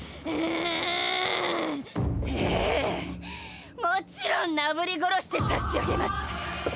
ええもちろんなぶり殺して差し上げます。